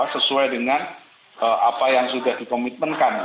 sesuai dengan apa yang sudah dikomitmenkan